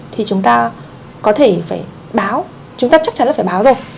thì chúng ta có thể phải báo chúng ta chắc chắn là phải báo rồi